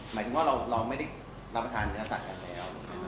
หมายถึงว่าเราไม่ได้รับประทานเนื้อสัตว์กันแล้ว